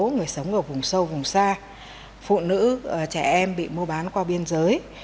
người sống ở vùng sâu vùng xa phụ nữ trẻ em bị mua bán qua biên giới